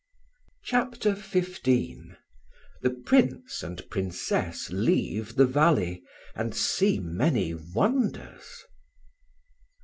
CHAPTER XV THE PRINCE AND PRINCESS LEAVE THE VALLEY, AND SEE MANY WONDERS.